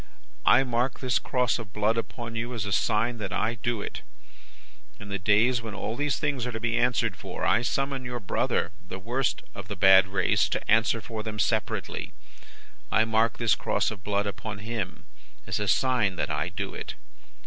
I mark this cross of blood upon you, as a sign that I do it. In the days when all these things are to be answered for, I summon your brother, the worst of the bad race, to answer for them separately. I mark this cross of blood upon him, as a sign that I do it.